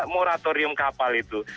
moratorium kapal itu